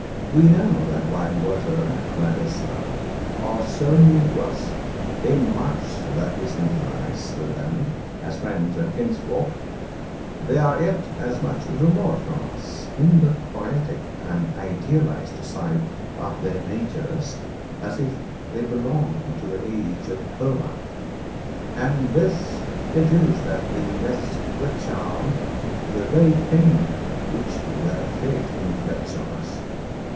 We know that while Werter and Clarissa are so near to us in much that we sympathize with them as friends and kinsfolk, they are yet as much remote from us in the poetic and idealized side of their natures as if they belonged to the age of Homer; and this it is that invests with charm the very pain which their fate inflicts on us.